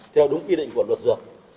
theo đúng quy định của luật dược